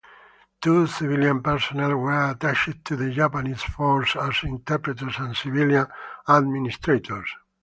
Two civilian personnel were attached to the Japanese forces as interpreters and civilian administrators.